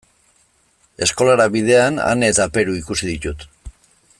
Eskolara bidean Ane eta Peru ikusi ditut.